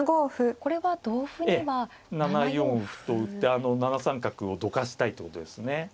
７四歩と打って７三角をどかしたいってことですね。